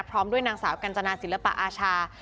พร้อมด้วยนางสาวกัญจนาศิลปะอาชา